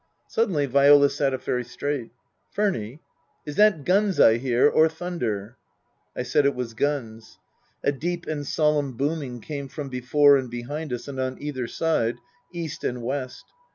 Suddenly Viola sat up very straight. " Furny, is that guns I hear, or thunder ?" I said it was guns. A deep and solertm booming came from before and behind us and on either side, east and west.